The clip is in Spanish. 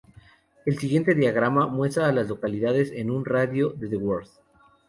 El siguiente diagrama muestra a las localidades en un radio de de Ward.